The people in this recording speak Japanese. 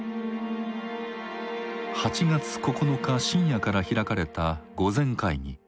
８月９日深夜から開かれた御前会議。